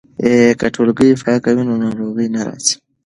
که ټولګې پاکه وي نو ناروغي نه راځي.